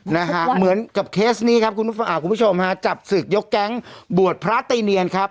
นะฮะเหมือนกับเคสนี้ครับคุณผู้ชมฮะจับศึกยกแก๊งบวชพระตีเนียนครับ